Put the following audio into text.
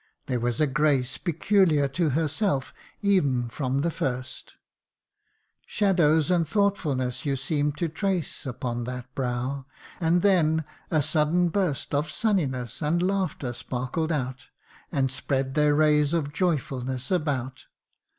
There was a grace O Peculiar to herself, ev'n from the first : Shadows and thoughtfulness you seem'd to trace Upon that brow, and then a sudden burst Of sunniness and laughter sparkled out, And spread their rays of joyfulness about.